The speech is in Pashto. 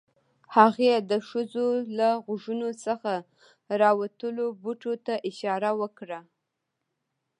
هغې د ښځې له غوږونو څخه راوتلو بوټو ته اشاره وکړه